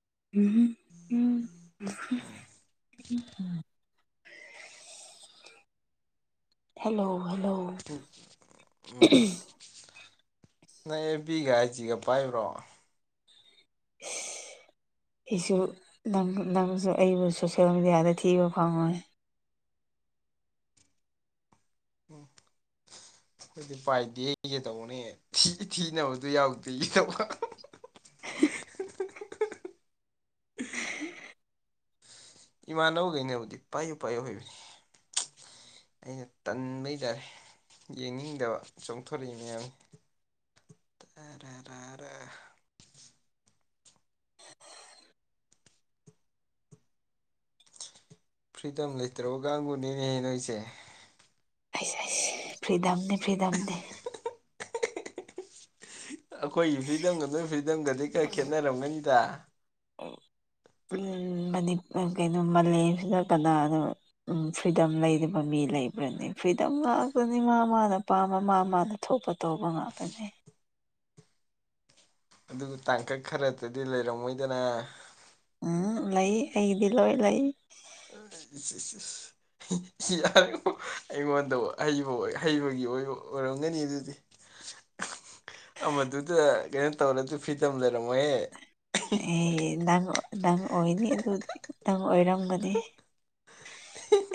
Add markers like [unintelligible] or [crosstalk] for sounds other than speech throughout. [unintelligible] Hello hello ꯎꯝ ꯎꯝ ꯅꯪ ꯑꯦꯕꯤꯒ ꯑꯥꯏꯖꯤꯒ ꯄꯥꯏꯕ꯭ꯔꯣ [inaudible] ꯍꯤꯖꯨ ꯅꯪ ꯅꯪꯖꯨ ꯑꯩꯕꯨ ꯁꯣꯁꯦꯜ ꯃꯦꯗꯤꯌꯥꯗ ꯊꯤꯕ ꯐꯪꯉꯣꯏ ꯎꯝ ꯑꯩꯗꯤ ꯄꯥꯏꯗꯤꯌ‌ꯦ ꯍꯥꯏꯒ‌ꯦ ꯇꯧꯕꯅꯦ ꯊꯤꯒꯤ ꯊꯤꯅꯕꯗꯨ ꯌꯥꯎꯗꯦ ꯇꯧꯒ ꯏꯃꯥꯟꯅꯕꯒꯩꯅꯕꯨꯗꯤ ꯄꯥꯏꯌꯨ ꯄꯥꯏꯌꯨ ꯍꯕꯅꯤ ꯑꯩꯅ ꯇꯟꯕꯩ ꯇꯥꯔꯦ ꯌꯦꯡꯅꯤꯡꯗꯕ ꯆꯣꯡꯊꯣꯔꯛꯏ ꯃꯌꯥꯝ [unintelligible] ꯐ꯭ꯔꯤꯗꯝ ꯂꯩꯇ꯭ꯔꯕ ꯀꯥꯡꯕꯨꯅꯦꯍ‌ꯦ ꯅꯣꯏꯁꯦ [unintelligible] ꯐ꯭ꯔꯤꯗꯝꯅꯤ ꯐ꯭ꯔꯤꯗꯝꯗꯤ [inaudible] ꯑꯈꯣꯏꯒꯤ ꯐ꯭ꯔꯤꯗꯝꯒ ꯅꯣꯏ ꯐ꯭ꯔꯤꯗꯝꯒꯗꯤ ꯈꯔ ꯈꯦꯠꯅꯔꯝꯒꯅꯤꯗ ꯄꯨꯟꯕꯅꯤ ꯑ‌ ꯀꯩꯅꯣ ꯃꯥꯂꯦꯝꯁꯤꯗ ꯀꯅꯥꯅꯣ ꯎꯝ ꯐ꯭ꯔꯤꯗꯝ ꯂꯩꯗꯕ ꯃꯤ ꯂꯩꯕ꯭ꯔꯅ‌ꯦ ꯐ꯭ꯔꯤꯗꯝ ꯉꯥꯛꯇꯅꯤ ꯃꯥ ꯃꯥꯅ ꯄꯥꯝꯕ ꯃꯥ ꯃꯥꯅ ꯊꯣꯛꯄ ꯇꯧꯕ ꯉꯥꯛꯇꯅ‌ꯦ ꯑꯗꯨꯒ ꯇꯥꯡꯀꯛ ꯈꯔꯗꯗꯤ ꯂꯩꯔꯝꯃꯣꯏꯗꯅ ꯎꯝ ꯂꯩ ꯑꯩꯒꯤꯗꯤ ꯂꯣꯏ ꯂꯩ [unintelligible] ꯁꯤꯌꯥ ꯢꯕꯣ ꯑꯩꯉꯣꯟꯗꯕꯨ ꯍꯩꯕ ꯑꯣꯢ ꯍꯩꯕꯒꯤ ꯑꯣꯏꯔꯣ ꯑꯣꯏꯔꯝꯒꯅꯤ ꯑꯗꯨꯗꯤ [inaudible] ꯑꯃꯗꯨꯗꯥ ꯀꯩꯅꯣ ꯇꯧꯔꯁꯨ ꯐ꯭ꯔꯤꯇꯝ ꯂꯩꯔꯝꯃꯣꯢꯍꯦ ꯑꯦ ꯅꯪ ꯅꯪ ꯑꯣꯏꯅꯤ ꯑꯗꯨꯗꯤ ꯅꯪ ꯑꯣꯏꯔꯝꯒꯅꯤ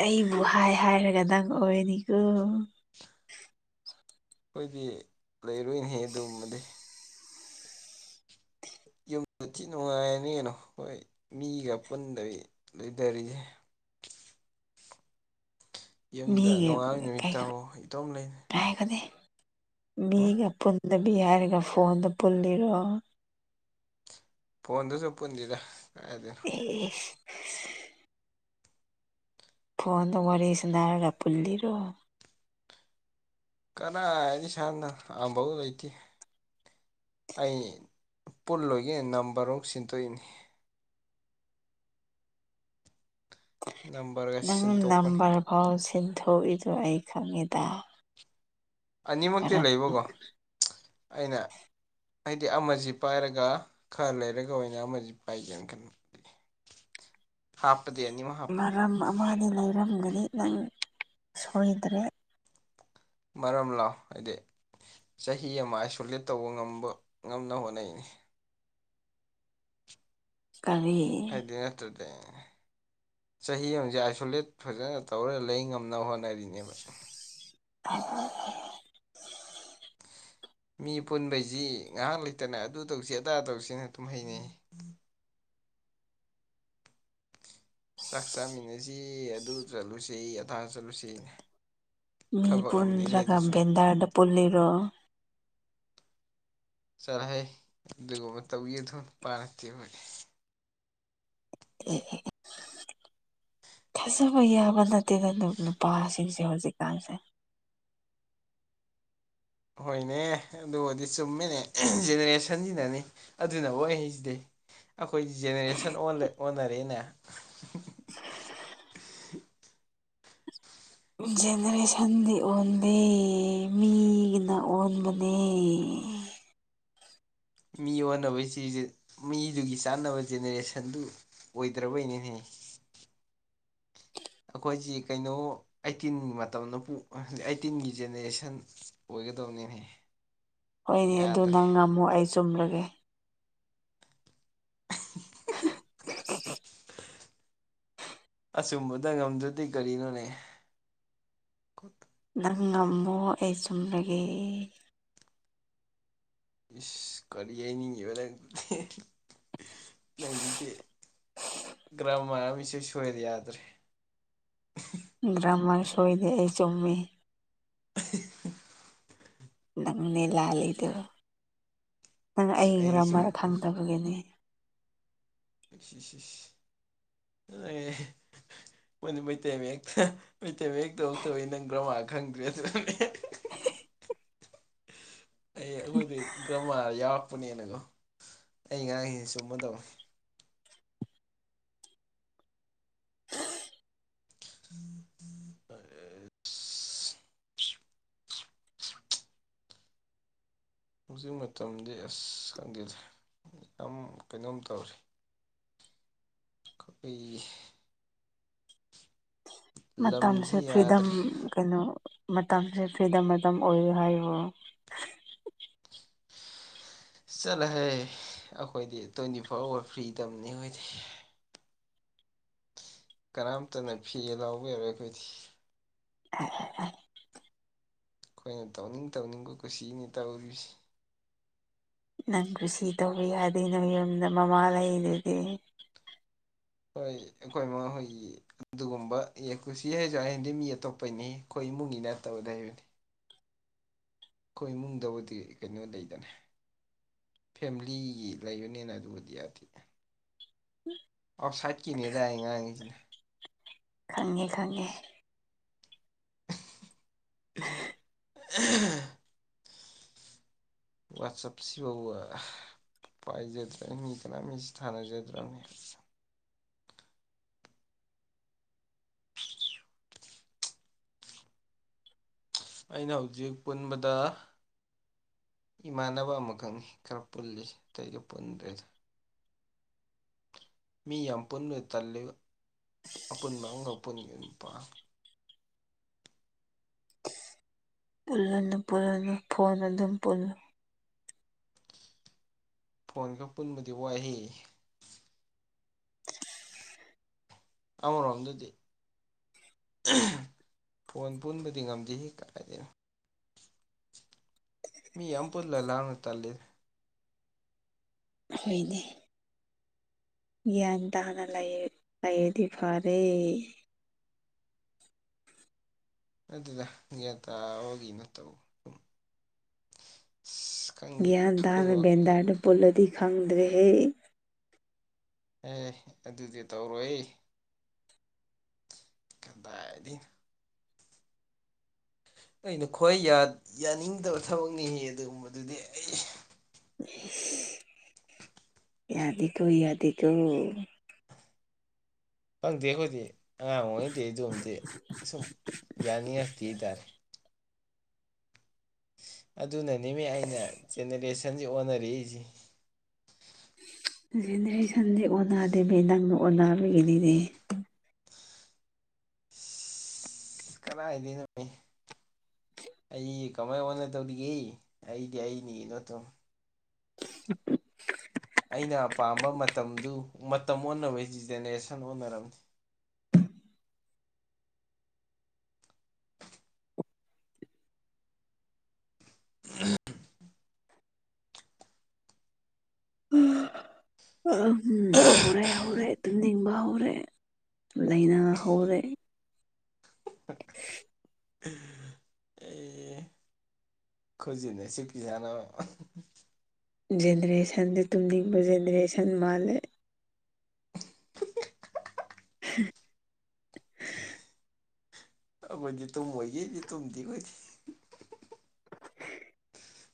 ꯑꯩꯕꯨ ꯍꯥꯏ ꯍꯥꯏꯔꯒ ꯅꯪ ꯑꯣꯏꯔꯅꯤꯀꯣ ꯑꯈꯣꯏꯗꯤ ꯂꯩꯔꯨꯢꯍꯦ ꯑꯗꯨꯒꯨꯝꯕꯗꯤ ꯌꯨꯝꯗ ꯊꯤ ꯅꯨꯡꯉꯥꯏꯅꯅꯤ ꯀꯩꯅꯣ ꯍꯣꯏ ꯃꯤꯒ ꯄꯨꯟꯗꯕꯤ ꯂꯩꯗꯔꯤꯁꯦ ꯌꯨꯝꯗ ꯃꯤꯒꯤ ꯅꯣꯡꯉꯥꯜ ꯅꯨꯃꯤꯠ ꯀꯩꯒ ꯇꯥꯕ ꯏꯇꯣꯝ ꯂꯩꯅꯤ [unintelligible] ꯎꯝ ꯃꯤꯒ ꯄꯨꯟꯗꯕꯤ ꯍꯥꯏꯔꯒ ꯐꯣꯟꯗ ꯄꯨꯜꯂꯤꯔꯣ ꯐꯣꯟꯗꯁꯨ ꯄꯨꯟꯗꯦꯗ ꯀꯔꯥꯢꯗꯩ ꯑꯦꯁ ꯐꯣꯟꯗꯥ ꯋꯥꯔꯤ ꯁꯥꯟꯅꯔꯒ ꯄꯨꯜꯂꯤꯔꯣ ꯀꯗꯥꯢꯗꯩ ꯁꯥꯟꯅ ꯑꯝꯕꯧ ꯂꯩꯇꯦ ꯑꯩ ꯄꯨꯜꯂꯣꯏꯒꯦ ꯅꯝꯕꯔꯃꯨꯛ ꯁꯤꯟꯗꯣꯛꯏꯅꯤ ꯅꯝꯕꯔꯒ ꯁꯤꯟꯇꯣꯛꯄꯅꯤ ꯍꯣ ꯁꯤꯟꯊꯣꯛꯏꯗꯣ ꯑꯩ ꯈꯪꯉꯤꯗ ꯑꯅꯤꯃꯛꯇꯤ ꯂꯩꯕꯀꯣ ꯑꯩꯅ ꯑꯩꯗꯤ ꯑꯃꯁꯤ ꯄꯥꯏꯔꯒ ꯈꯔ ꯂꯩꯔꯒ ꯑꯣꯏꯅ ꯑꯃꯁꯤ ꯄꯥꯏꯒꯦꯅ ꯈꯟꯕ [inaudible] ꯍꯥꯞꯄꯗꯤ ꯑꯅꯤꯃꯛ ꯍꯥꯞꯄ ꯑꯃꯥꯗꯤ ꯂꯩꯔꯝꯒꯅꯤ ꯅꯪ ꯁꯣꯏꯗ꯭ꯔꯦ ꯃꯔꯝꯂꯣ ꯍꯥꯏꯗꯤ ꯆꯍꯤ ꯑꯃ ꯑꯥꯏꯁꯣꯂꯦꯠ ꯇꯧꯕ ꯉꯝꯕ ꯉꯝꯅꯕ ꯍꯣꯠꯅꯩꯅꯤ ꯀꯔꯤ ꯀꯩꯗꯧꯢꯅꯣ ꯑꯗꯨꯗꯤ ꯆꯍꯤ ꯑꯝꯖꯦ ꯑꯥꯏꯁꯣꯂꯦꯠ ꯐꯖꯅ ꯇꯧꯔ ꯂꯩ ꯉꯝꯅꯕ ꯍꯣꯠꯅꯔꯤꯅꯦꯕ [unintelligible] ꯃꯤ ꯄꯨꯟꯕꯩꯁꯤ ꯉꯥꯍꯥꯛ ꯂꯩꯇꯅ ꯑꯗꯨ ꯇꯧꯁꯤ ꯑꯗꯥ ꯇꯧꯁꯤꯅ ꯑꯗꯨꯝ ꯍꯥꯢꯅꯩ ꯆꯥꯛ ꯆꯥꯃꯤꯟꯅꯁꯤ ꯑꯗꯨ ꯆꯠꯂꯨꯁꯤ ꯑꯗꯥꯥ ꯆꯠꯂꯨꯁꯤ ꯃꯤ ꯊꯕꯛ ꯑꯃꯅꯤꯅꯦ ꯄꯨꯟꯗ꯭ꯔꯥꯒꯥ ꯑꯗꯨꯁꯨ ꯕꯦꯟꯗꯔꯗ ꯄꯨꯟꯂꯤꯔꯣ ꯆꯥꯂꯍꯩ ꯑꯗꯨꯒꯨꯝꯕ ꯇꯧꯕꯤꯒꯗꯕ ꯅꯨꯄꯥ ꯅꯠꯇꯦ ꯑꯈꯣꯢ [unintelligible] ꯊꯥꯖꯕ ꯌꯥꯕ ꯅꯠꯇꯦꯗ ꯅꯨꯞ ꯅꯨꯄꯥꯁꯤꯡꯁꯦ ꯍꯧꯖꯤꯛꯀꯥꯟꯁꯦ ꯍꯣꯏꯅꯦ ꯑꯗꯨꯕꯨꯗꯤ ꯆꯨꯝꯃꯤꯅꯦ ꯖꯦꯅꯦꯔꯦꯁꯟꯁꯤꯅꯅꯤ ꯑꯗꯨꯅ ꯑꯣꯏꯅꯤ ꯁꯤꯗꯤ ꯑꯈꯣꯏꯗꯤ ꯖꯦꯅꯦꯔꯦꯁꯟ ꯑꯣꯟꯂꯦ ꯑꯣꯟꯅꯔꯦꯅꯦ ꯖꯦꯅꯔꯦꯁꯟꯗꯤ ꯑꯣꯟꯗꯦ ꯃꯤꯒꯤꯅ ꯑꯣꯟꯕꯅꯦ ꯃꯤ ꯑꯣꯟꯅꯕꯁꯤꯖꯤ ꯃꯤꯗꯨꯒꯤ ꯆꯥꯟꯅꯕ ꯖꯦꯅꯦꯔꯦꯁꯟꯗꯨ ꯑꯣꯏꯗ꯭ꯔꯕꯩꯅꯤꯅꯦ ꯑꯈꯣꯏꯖꯤ ꯀꯩꯅꯣ ꯑꯩꯠꯇꯤꯟꯒꯤ ꯃꯇꯝꯗꯨꯄꯨ ꯑꯩꯠꯇꯤꯟꯒꯤ ꯖꯦꯅꯦꯔꯦꯁꯟ ꯑꯣꯏꯒꯗꯧꯅꯤꯅꯦ ꯍꯣꯏꯅꯦ ꯑꯗꯨ ꯌꯥꯗ꯭ꯔꯦ ꯅꯪ ꯉꯝꯃꯣ ꯑꯩ ꯆꯨꯝꯂꯒꯦ ꯑꯆꯨꯝꯕꯗ ꯉꯝꯗ꯭ꯔꯗꯤ ꯀꯔꯤꯅꯣꯅꯦ ꯅꯣ ꯉꯝꯃꯣ ꯑꯩ ꯆꯨꯝꯂꯒꯦ ꯏꯁ ꯀꯔꯤ ꯍꯥꯏꯅꯤꯡꯉꯤꯕ ꯅꯪꯗꯨꯗꯤ ꯅꯪꯗꯨꯗꯤ ꯒ꯭ꯔꯃꯥꯔ ꯑꯃ ꯢꯁꯣꯢ ꯁꯣꯏꯔꯦ ꯌꯥꯗ꯭ꯔꯦ ꯒ꯭ꯔꯃꯥꯔ ꯁꯣꯏꯗꯦꯍꯦ ꯆꯨꯝꯃꯦ [unintelligible] ꯅꯪꯅꯦ ꯂꯥꯜꯂꯤꯗꯣ ꯅꯪ ꯑꯩꯒ ꯑꯩꯅ ꯁꯨꯝ ꯃꯔ ꯊꯪꯗꯕꯒꯤꯅꯦ ꯏꯁ ꯏꯁ ꯏꯁ ꯔꯦ ꯃꯣꯏꯗꯤ ꯃꯩꯇꯩ ꯃꯌꯦꯛꯁꯦ ꯃꯩꯇꯩꯃꯌꯦꯛ ꯇꯃꯛꯇꯕꯒꯤ ꯅꯪ ꯒ꯭ꯔꯃꯥ ꯈꯪꯗ꯭ꯔꯤ ꯑꯗꯨꯅꯅꯦ ꯑꯩ ꯑꯩꯈꯣꯏꯗꯤ ꯒ꯭ꯔꯃꯥꯔ ꯌꯥꯎꯔꯛꯄꯅꯦꯅꯀꯣ ꯑꯩ ꯉꯥꯡꯢ ꯆꯨꯝꯕ ꯇꯧꯑꯣ [unintelligible] ꯍꯧꯖꯤꯛ ꯃꯇꯝꯗꯤ ꯑꯁ ꯈꯪꯗꯦꯗꯦ ꯌꯥꯝ ꯀꯩꯅꯣꯝ ꯇꯧꯔꯤ ꯀꯩ ꯢ ꯃꯇꯝꯁꯦ ꯂꯝꯁꯤ ꯐ꯭ꯔꯤꯗꯝ ꯌꯥꯗ꯭ꯔꯦ ꯀꯩꯅꯣ ꯃꯇꯝꯁꯦ ꯐ꯭ꯔꯤꯗꯝ ꯃꯇꯝ ꯑꯣꯏꯌꯦ ꯍꯥꯏꯌꯣ ꯆꯠꯂꯍꯦ ꯑꯈꯣꯏꯗꯤ ꯇ꯭ꯋꯦꯟꯇꯤ ꯐꯣꯔ ꯑꯋꯥꯔ ꯐ꯭ꯔꯤ ꯇꯝꯅꯤ ꯍꯥꯏꯗꯦ ꯀꯅꯥꯝꯇꯅ ꯐꯤ ꯂꯥꯎꯕ ꯌꯥꯔꯣꯏ ꯑꯩꯈꯣꯏꯗꯤ [unintelligible] ꯈꯣꯏꯅ ꯇꯧꯅꯤꯡ ꯇꯧꯅꯤꯡꯕ ꯀꯨꯁꯤꯅꯤ ꯇꯧꯔꯤꯕꯁꯤ ꯅꯪ ꯀꯨꯁꯤ ꯇꯧꯕ ꯌꯥꯗꯦ ꯅꯣ ꯌꯨꯝꯗ ꯃꯃꯥ ꯂꯩꯗꯨꯗꯤ ꯍꯣꯏ ꯑꯩꯈꯣꯏꯃꯈꯣꯏꯒꯤ ꯑꯗꯨꯒꯨꯝꯕ ꯌꯦꯀꯨꯁꯤꯌꯦ ꯖꯨ ꯍꯌꯦꯟꯗꯤ ꯃꯤ ꯑꯇꯣꯞꯄꯩꯅꯤ ꯈꯣꯏ ꯏꯃꯨꯡꯒꯤ ꯅꯠꯇꯕꯗ ꯍꯥꯏꯕꯗꯤ ꯈꯣꯏ ꯏꯃꯨꯡꯗꯕꯨꯗꯤ ꯀꯩꯅꯣ ꯂꯩꯗꯅꯦ ꯐꯦꯃꯤꯂꯤꯒꯤ ꯂꯩꯕꯅꯤꯅ ꯑꯗꯨꯕꯨꯗꯤ ꯌꯥꯗꯤꯗ ꯑꯥꯎꯁꯥꯏꯠꯀꯤꯅꯦꯗ ꯑꯩꯅ ꯉꯥꯡꯉꯤꯖꯤꯅ ꯈꯪꯉꯦ ꯈꯪꯉꯦ [unintelligible] ꯋꯥꯠꯆꯞꯁꯤꯕꯧꯕ ꯄꯥꯏꯖꯗ꯭ꯔꯥ ꯃꯤ ꯀꯅꯥ ꯃꯤꯁꯤ ꯊꯅꯖꯗ꯭ꯔꯥꯃꯤ ꯑꯩꯅ ꯍꯧꯖꯤꯛ ꯄꯨꯟꯕꯗ ꯏꯃꯥꯟꯅꯕ ꯑꯃꯈꯛꯅꯤ ꯈꯔ ꯄꯨꯜꯂꯤꯖꯦ ꯑꯇꯩꯗꯤ ꯄꯨꯟꯗ꯭ꯔꯦꯗ ꯃꯤ ꯌꯥꯝ ꯄꯨꯟꯕ ꯇꯜꯜꯂꯤꯕ ꯑꯄꯨꯟꯕ ꯑꯃꯒ ꯄꯨꯨꯟꯒꯤ ꯅꯨꯄꯥ ꯄꯨꯜꯂꯨꯅ ꯄꯨꯜꯂꯅ ꯐꯣꯟ ꯑꯗꯨꯝ ꯄꯨꯜꯂꯨ ꯐꯣꯟ ꯈꯔ ꯄꯨꯟꯕꯗꯤ ꯋꯥꯏꯍꯦ ꯇꯕꯔꯣ ꯔꯣꯝꯗꯗꯤ ꯐꯣꯟ ꯄꯨꯟꯕꯗꯤ ꯉꯝꯗꯦ ꯍꯦ ꯀꯥꯏꯗꯩꯅꯣ ꯃꯤ ꯑꯝꯄꯨꯜꯂ ꯂꯥꯡꯉ ꯇꯜꯂꯤ ꯑꯍꯣꯏꯗꯦ ꯭ꯌꯥꯟ ꯇꯥꯅꯥ ꯂꯥꯏ ꯂꯩꯑꯗꯤ ꯐꯔꯩ ꯑꯗꯨꯗ ꯒ꯭ꯌꯥꯟ ꯇꯥꯕꯒꯤ ꯅꯠꯇꯧ ꯁꯨ ꯒ꯭ꯌꯥꯟ ꯇꯅ ꯕꯦꯗꯥꯔꯗ ꯄꯨꯜꯂꯗꯤ ꯈꯪꯗ꯭ꯔꯦꯍꯦ ꯑꯦ ꯑꯗꯨꯗꯤ ꯇꯧꯔꯣꯏꯋꯦ ꯀꯗꯥꯢꯗꯩꯅꯣ ꯑꯩꯅ ꯈ꯭ꯋꯥꯏ ꯌꯥ ꯌꯥꯅꯤꯡꯗꯕ ꯊꯕꯛꯅꯤꯍꯦ ꯑꯗꯨꯒꯨꯝꯕꯗꯨꯗꯤ ꯑꯩ ꯌꯥꯗꯦꯀꯣ ꯌꯥꯗꯦꯀꯣ ꯈꯪꯗꯦ ꯑꯩꯈꯣꯏꯗꯤ ꯑꯉꯥꯡ ꯑꯣꯏꯉꯩꯗꯤ ꯑꯗꯨꯝꯗꯤ ꯑ ꯁꯨꯝ ꯌꯥꯅꯤꯡꯉꯛꯇꯤ ꯇꯥꯔꯦ ꯑꯗꯨꯅꯅꯦꯃꯦ ꯑꯩꯅ ꯖꯦꯅꯦꯔꯦꯁꯟꯁꯤ ꯑꯣꯟꯅꯔꯛꯏꯖꯤ ꯖꯦꯅꯦꯔꯦꯁꯟꯗꯤ ꯑꯣꯟꯅꯗꯦꯃꯦ ꯅꯪꯅ ꯑꯣꯟꯅꯕꯒꯤꯅꯤꯅꯦ ꯑꯁ ꯀꯗꯥꯏꯗꯦꯅꯣ ꯃꯦ ꯑꯩ ꯀꯃꯥꯏ ꯑꯣꯟꯗꯧꯗꯤꯒꯦ ꯑꯩꯗꯤ ꯑꯩꯅꯤ ꯅꯣꯇꯨꯝ ꯑꯩꯅ ꯄꯥꯝꯕ ꯃꯇꯝꯗꯨ ꯃꯇꯝ ꯑꯣꯟꯅꯕꯩ ꯖꯦꯅꯦꯔꯦꯁꯟ ꯑꯣꯟꯅꯔꯝꯅꯤ [unintelligible] ꯎꯝ ꯍꯧꯔꯦ ꯍꯧꯔꯦ ꯇꯨꯝꯅꯤꯡꯕ ꯍꯧꯔꯦ ꯂꯩꯅ ꯍꯧꯔꯦ ꯎꯝ ꯈꯣꯖꯤꯟꯅꯥ ꯁꯤꯄꯤ ꯁꯅꯣ ꯖꯦꯅꯦꯔꯦꯁꯟꯁ ꯇꯨꯝꯅꯤꯡꯕ ꯖꯦꯅꯦꯔꯦꯁꯟ ꯃꯥꯜꯂꯦ [inaudible] ꯑꯩꯈꯣꯏꯗꯤ ꯇꯨꯝ ꯃꯣꯏꯒꯦꯗꯤ ꯇꯨꯝꯗꯤ ꯑꯣꯏꯗꯦ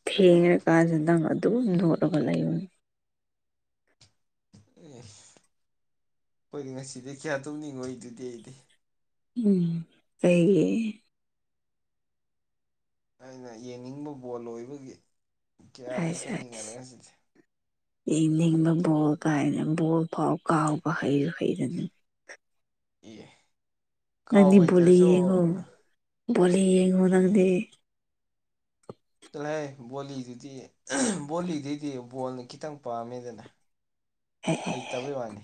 ꯊꯦꯡꯉꯀꯥꯟꯁꯤꯗ ꯅꯪ ꯑꯗꯨꯝ ꯅꯣꯠꯂꯒ ꯂꯩꯌꯨ ꯑꯦ ꯍꯣꯏꯗꯤ ꯉꯁꯤꯗꯤ ꯀꯌꯥ ꯇꯧꯅꯤꯡꯉꯣꯏ ꯑꯗꯨꯗꯤ ꯑꯩꯗꯤ ꯎꯝ ꯀꯩꯒꯤ ꯑꯩꯅ ꯌꯦꯡꯅꯤꯡꯕ ꯕꯣꯜ ꯑꯣꯏꯕꯒꯤ [unintelligible] ꯀꯌꯥꯗꯤ ꯇꯧꯅꯤꯡꯉꯔꯣꯏ ꯁꯤꯗꯤ ꯌꯦꯡꯅꯤꯡꯕ ꯕꯣꯜ ꯀꯥꯏꯅ ꯕꯣꯜ ꯐꯥꯎ ꯀꯥꯎꯕ ꯍꯩꯔ ꯍꯩꯔꯅꯤ [unintelligible] ꯀꯥꯎ ꯅꯪꯗꯤ ꯕꯣꯂꯤ ꯍꯩꯇ꯭ꯔꯁꯨ ꯌꯦꯡꯉꯣ ꯑꯦ ꯕꯣꯂꯤ ꯌꯦꯡꯉꯣ ꯅꯪꯗꯤ ꯇꯥꯂꯥꯍꯦ ꯕꯣꯂꯤꯗꯨꯗꯤ ꯕꯣꯂꯤꯗꯩꯗꯤ ꯕꯣꯜꯅ ꯈꯤꯇꯪ ꯄꯥꯝꯃꯦꯗꯅ [unintelligible] ꯇꯕꯩ ꯋꯥꯅꯤ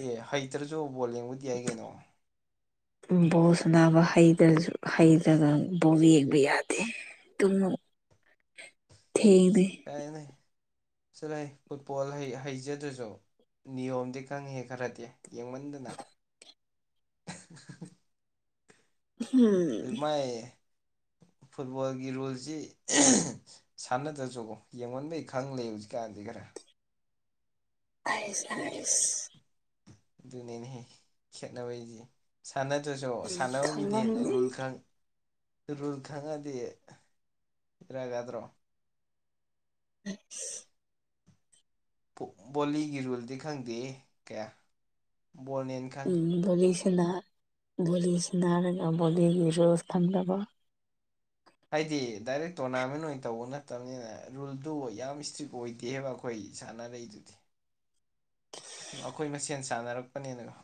ꯑꯦ ꯍꯩꯇ꯭ꯔꯁꯨ ꯕꯣꯜ ꯌꯦꯡꯕꯗꯤ ꯌꯥꯏ ꯀꯩꯅꯣ [inaudible] ꯕꯣꯔ ꯁꯅꯕ ꯍꯩꯗꯁꯨ ꯍꯩꯗ꯭ꯔꯒ ꯕꯣꯔ ꯌꯦꯡꯕ ꯌꯥꯗꯦ ꯇꯨꯃꯣ ꯊꯦꯡꯗꯦ ꯀꯩꯅꯤ ꯆꯠꯂꯥꯍꯦ ꯐꯨꯠꯕꯣꯜ ꯍꯩ ꯍꯩꯖꯗ꯭ꯔꯁꯨ ꯅꯤꯌꯣꯝꯗꯤ ꯀꯪꯉꯦ ꯈꯔꯗꯤ ꯌꯦꯡꯃꯟꯗꯅ ꯎꯝ ꯃꯥꯏ ꯐꯨꯠꯕꯣꯜꯒꯤ ꯔꯨꯜꯁꯤ ꯁꯥꯟꯅꯗ꯭ꯔꯁꯨꯀꯣ ꯌꯦꯡꯉꯣꯟꯕꯩ ꯈꯪ ꯂꯩ ꯍꯧꯖꯤꯛꯀꯥꯟꯗꯤ ꯈꯔ ꯑꯥꯏꯁ ꯍꯥꯏꯁ ꯑꯗꯨꯅꯦꯅꯦꯍꯦ ꯈꯦꯠꯅꯕꯩꯗꯤ ꯁꯥꯟꯅꯗ꯭ꯔꯁꯨ ꯎꯝ ꯁꯥꯟꯅꯕ ꯃꯤꯗꯤꯍꯦꯟꯅꯥ ꯈꯪꯂꯝꯅꯤ ꯔꯨꯜ ꯈꯪ ꯔꯨꯜ ꯈꯪꯉꯗꯤ ꯏꯂꯥꯢ ꯂꯥꯏꯗ꯭ꯔꯣ [inaudible] ꯄꯣ ꯕꯣꯂꯤꯒꯤ ꯔꯨꯜꯗꯤ ꯈꯪꯗꯦꯍꯦ ꯀꯌꯥ ꯕꯣꯜꯅꯦ ꯎꯝ ꯙꯣꯂꯤꯁꯅꯥ ꯕꯣꯂꯤꯁꯤꯅꯥꯔꯒ ꯕꯣꯂꯤꯒꯤ ꯔꯨꯁ ꯈꯪꯗꯕ ꯍꯥꯏꯗꯤ ꯗꯥꯏꯔꯦꯛ ꯇꯣꯔꯅꯥꯃꯦꯟ ꯑꯣꯏ ꯇꯧꯕ ꯅꯠꯇꯝꯅꯤꯅ ꯔꯨꯜꯗꯨ ꯌꯥꯝ ꯏꯁꯇ꯭ꯔꯤꯛ ꯑꯣꯏꯗꯦꯕ ꯈꯣꯏ ꯁꯥꯟꯅꯔꯛꯏꯗꯨꯗꯤ [inaudible] ꯑꯈꯣꯏ ꯃꯁꯦꯟ ꯁꯥꯟꯅꯔꯛꯄꯅꯦꯅ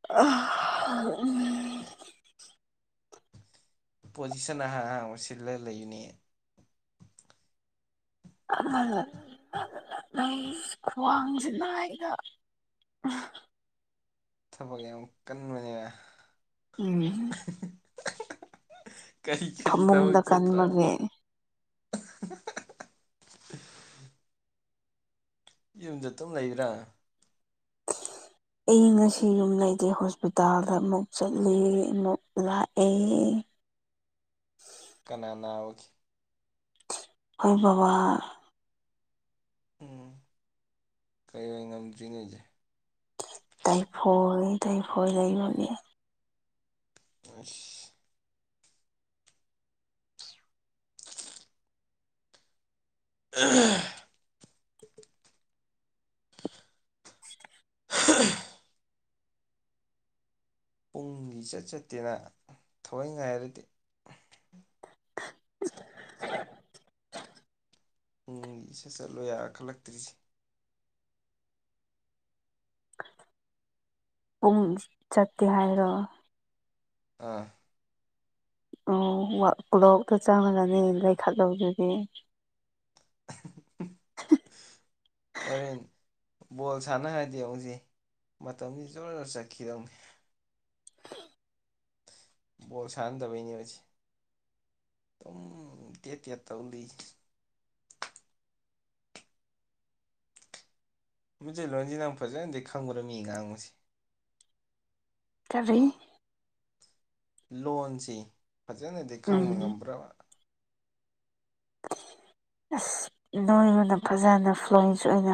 [unintelligible] ꯄꯣꯖꯤꯁꯟ ꯑꯍꯥꯟ ꯑꯍꯥꯟ ꯁꯤꯜꯂ ꯂꯩꯅꯦ ꯈ꯭ꯋꯥꯡꯖꯤꯅꯥꯏꯗ [inaudible] ꯊꯕꯛ ꯌꯥꯝ ꯀꯟꯕꯅꯦ ꯎꯝ ꯀꯔꯤ ꯀꯔꯤ ꯊꯕꯛ ꯐꯃꯨꯡꯗ ꯆꯠꯇ꯭ꯔꯥ ꯀꯟꯕꯒꯤ ꯌꯨꯝꯗ ꯑꯗꯨꯝ ꯂꯩꯕ꯭ꯔꯥ ꯑꯩ ꯉꯁꯤ ꯌꯨꯝ ꯂꯩꯩꯗꯦ ꯍꯣꯁꯄꯤꯇꯥꯜꯗ ꯑꯃꯨꯛ ꯆꯠꯂꯤ ꯑꯃꯨꯛ ꯂꯥꯛꯑꯦ ꯀꯅꯥ ꯅꯥꯕꯒꯤ ꯈꯣꯏ ꯕꯕꯥ ꯎꯝ ꯀꯩ ꯑꯣꯏ ꯉꯝꯗ꯭ꯔꯤꯅꯦꯁꯦ ꯇꯥꯏꯐꯣꯢꯂꯤ ꯇꯥꯏꯐꯣꯏ ꯂꯩꯕꯒꯤ ꯑꯁ ꯑꯝ ꯍ ꯄꯨꯡ ꯏꯆꯠ ꯆꯠꯇꯦꯗ ꯊꯑꯣꯏ ꯉꯥꯏꯔꯗꯤ [inaudible] ꯎꯝ ꯏꯆꯠ ꯆꯠꯂꯨ ꯌꯥ ꯈꯜꯂꯛꯇ꯭ꯔꯤꯖꯤ ꯄꯨꯡ ꯆꯠꯇꯦ ꯍꯥꯏꯔꯣ ꯑꯥ ꯑꯣ ꯋꯠ ꯀ꯭ꯂꯣꯛꯇ ꯆꯪꯪꯂꯒꯅꯦ ꯂꯩꯈꯠꯂꯣꯗꯨꯗꯤ [unintelligible] ꯑꯣꯏꯔꯦꯟ ꯕꯣꯜ ꯁꯥꯟꯅ ꯍꯥꯔꯗꯤ ꯍꯧꯖꯤꯛ ꯃꯇꯝꯖꯤ ꯖꯣꯔꯣꯖꯣꯔꯣ ꯆꯠꯈꯤꯗꯧꯅꯤ ꯕꯣꯜ ꯁꯥꯟꯗꯕꯩꯅꯦ ꯃꯁꯤ ꯑꯗꯨꯝ ꯇꯦꯠ ꯇꯦꯠ ꯇꯧꯂꯩ ꯃꯖꯩ ꯂꯣꯟꯁꯤꯅ ꯐꯖꯅꯗꯤ ꯈꯪꯕꯗꯣ ꯃꯤ ꯉꯥꯡꯕꯁꯤ ꯀꯔꯤ ꯂꯣꯟꯁꯤ ꯐꯖꯅꯗꯤ ꯈꯪꯕ ꯎꯝ ꯉꯝꯕ꯭ꯔꯕ꯫ ꯑꯁ ꯐꯖꯅ [unintelligible] ꯐ꯭ꯂꯨꯋꯟꯁ ꯑꯣꯏꯅ